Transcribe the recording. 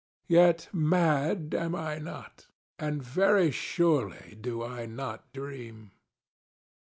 Yet, mad am I notŌĆöand very surely do I not dream.